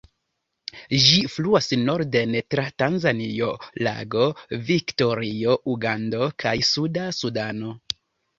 Ĝi fluas norden tra Tanzanio, Lago Viktorio, Ugando kaj Suda Sudano.